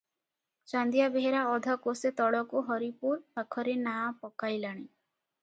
ଚାନ୍ଦିଆ ବେହେରା ଅଧକୋଶେ ତଳକୁ ହରିପୁର ପାଖରେ ନାଆ ପକାଇଲାଣି ।